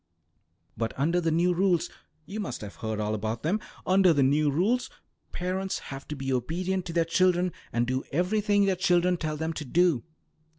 But under the new rules you must have heard all about them under the new rules parents have to be obedient to their children, and do everything their children tell them to do."